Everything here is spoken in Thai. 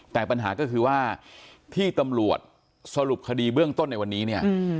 แต่ปัญหาก็คือว่าที่ตำรวจสรุปคดีเบื้องต้นในวันนี้เนี่ย